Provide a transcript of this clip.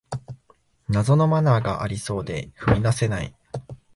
謎のマナーがありそうで踏み出せない